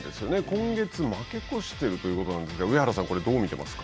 今月、負け越しているということなんですが、上原さん、これをどう見ていますか。